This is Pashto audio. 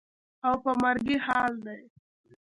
او په مرګي حال دى.